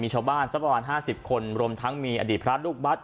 มีชาวบ้านสักประมาณห้าสิบคนรวมทั้งมีอดีตพระรุกวัด